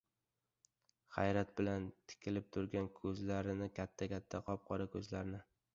Hayrat bilan tikilib turgan ko‘zla- rini, katta-katta, qop-qora ko‘zlarini.